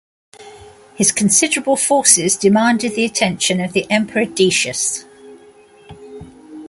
His considerable forces demanded the attention of the emperor Decius.